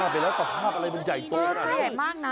บ้าไปแล้วตะภาพอะไรมันใหญ่ตัวน่ะ